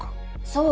そう！